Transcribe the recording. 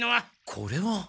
これは。